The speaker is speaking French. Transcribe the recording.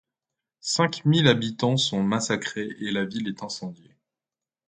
Cinq mille habitants sont massacrés et la ville est incendiée.